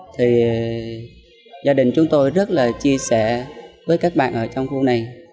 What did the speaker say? thì gia đình chúng tôi rất là chia sẻ với các bạn ở trong khu này